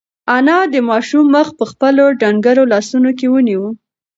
انا د ماشوم مخ په خپلو ډنگرو لاسونو کې ونیو.